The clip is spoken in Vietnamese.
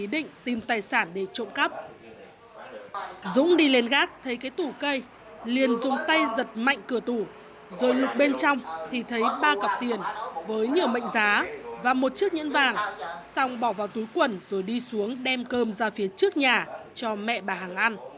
dũng đi lên gác thấy cái tủ cây liền dùng tay giật mạnh cửa tủ rồi lục bên trong thì thấy ba cọc tiền với nhiều mệnh giá và một chiếc nhẫn vàng xong bỏ vào túi quần rồi đi xuống đem cơm ra phía trước nhà cho mẹ bà hằng ăn